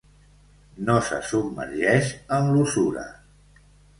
No se submergeix en l'usura.